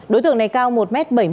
đối tượng này cao một m bảy mươi năm